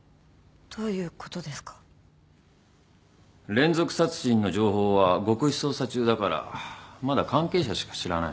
連続殺人の情報は極秘捜査中だからまだ関係者しか知らない。